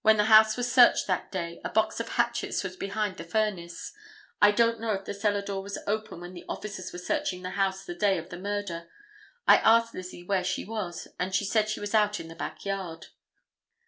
When the house was searched that day a box of hatchets was behind the furnace. I don't know if the cellar door was open when the officers were searching the house the day of the murder. I asked Lizzie where she was, and she said she was out in the back yard."